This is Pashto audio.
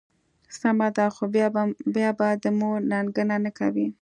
سمه ده، خو بیا به د مور ننګه نه کوې.